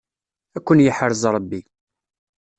Ad ken-yeḥrez Ṛebbi.